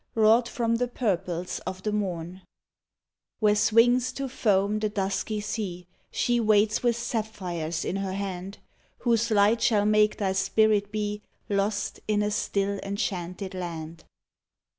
Wrought from the purples of the morn. 114 whii:e magic Where swings to foam the dusky sea, She waits with sapphires in her hand Whose light shall make thy spirit be Lost in a still, enchanted land.